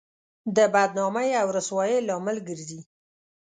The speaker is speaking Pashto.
د بدنامۍ او رسوایۍ لامل ګرځي.